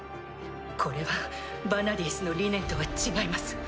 これはヴァナディースの理念とは違います。